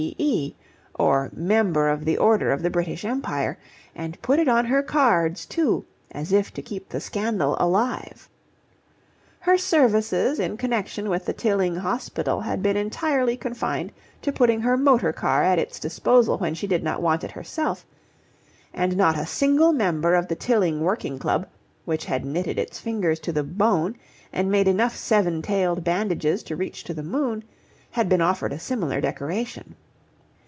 B.E., or Member of the Order of the British Empire, and put it on her cards too, as if to keep the scandal alive. Her services in connection with the Tilling hospital had been entirely confined to putting her motor car at its disposal when she did not want it herself, and not a single member of the Tilling Working Club, which had knitted its fingers to the bone and made enough seven tailed bandages to reach to the moon, had been offered a similar decoration.